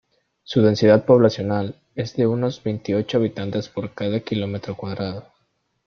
Su densidad poblacional es de unos veintiocho habitantes por cada kilómetro cuadrado.